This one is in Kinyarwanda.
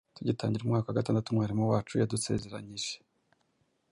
Tugitangira umwaka wa gatandatu, umwarimu wacu yadusezeranyije